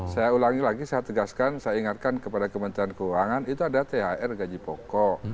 saya ulangi lagi saya tegaskan saya ingatkan kepada kementerian keuangan itu ada thr gaji pokok